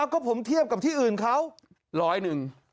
ก็ผมเทียบกับที่อื่นเขาร้อยหนึ่ง